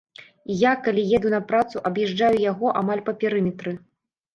І я, калі еду на працу, аб'язджаю яго амаль па перыметры.